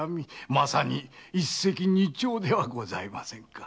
まさに一石二鳥ではありませんか。